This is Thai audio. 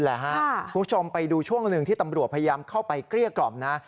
คุณผู้ชมไปดูช่วงหนึ่งที่ตำรวจพยายามเข้าไปเกลี้ยกล่อมนะ